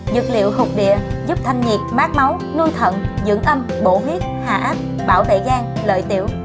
dược liệu hụt địa giúp thanh nhiệt mát máu nuôi thận dưỡng âm bổ huyết hạ áp bảo tệ gan lợi tiểu